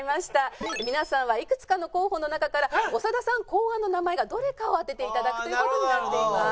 皆さんはいくつかの候補の中から長田さん考案の名前がどれかを当てて頂くという事になっています。